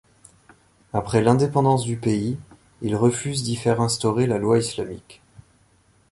Après l'indépendance du pays, il refuse d'y faire instaurer la loi islamique.